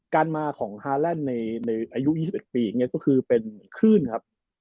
การมาของฮารัยพยาบาล็อันดันในอายุและก็คือเป็นคู้นครับ